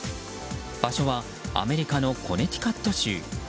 場所はアメリカのコネティカット州。